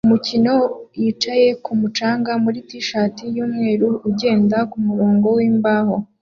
Umukino wa yicaye kumu canga muri t-shirt yumweru ugendera kumurongo wimbaho